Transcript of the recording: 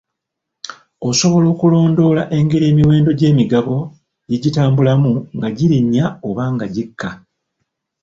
Osobola okulondoola engeri emiwendo gy'emigabo gye gitambulamu nga girinnya oba nga gikka.